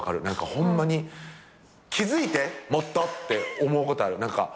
何かホンマに「気付いてもっと！」って思うことある。